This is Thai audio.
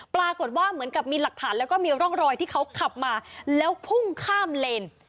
ปรากฏว่าเหมือนกับมีหลักฐานแล้วก็มีร่องรอยที่เขาขับมาแล้วพุ่งข้ามเลน